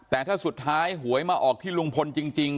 แต่ถ้าสุดท้ายหวยมาออกที่ลุงพลจริง